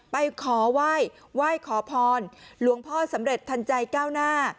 ไปขอไหว้ไหว้ขอพรหลวงพ่อสำเร็จทันใจก้าวหน้า